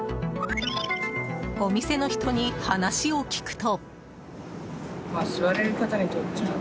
お店の人に話を聞くと。